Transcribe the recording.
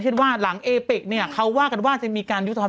เช่นว่าหลังเอเป็กเขาวากันว่ามีการยุบสภา